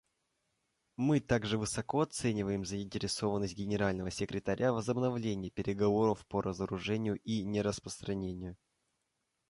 Мы также высоко оцениваем заинтересованность Генерального секретаря в возобновлении переговоров по разоружению и нераспространению.